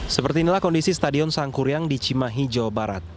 seperti inilah kondisi stadion sangkuriang di cimahi jawa barat